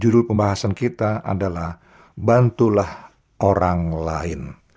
judul pembahasan kita adalah bantulah orang lain